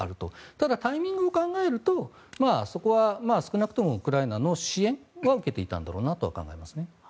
ただ、タイミングを考えるとそこは少なくともウクライナの支援は受けていたんだろうなとは考えますね。